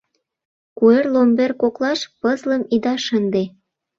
Куэр-ломбер коклаш пызлым ида шынде